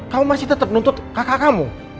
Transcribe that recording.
kamu masih tetap nuntut kakak kamu